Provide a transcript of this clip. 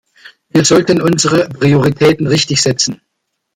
Wir sollten unsere Prioritäten richtig setzen.